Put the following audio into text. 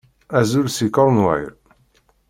Azul seg Cornwall!